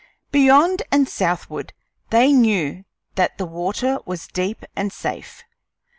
Beyond and southward they knew that the water was deep and safe.